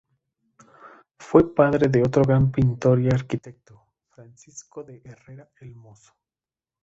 Fue padre de otro gran pintor y arquitecto, Francisco de Herrera el Mozo.